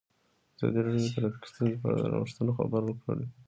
ازادي راډیو د ټرافیکي ستونزې په اړه د نوښتونو خبر ورکړی.